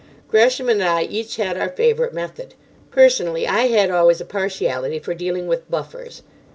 Gresham and I each had our favourite method. Personally, I had always a partiality for dealing with "buffers."